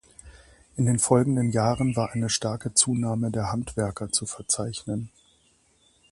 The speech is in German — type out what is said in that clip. In den folgenden Jahren war eine starke Zunahme der Handwerker zu verzeichnen.